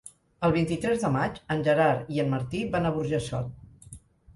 El vint-i-tres de maig en Gerard i en Martí van a Burjassot.